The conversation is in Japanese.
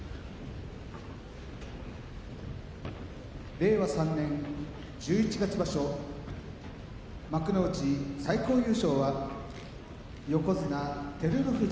令和３年十一月場所幕内最高優勝は横綱照ノ富士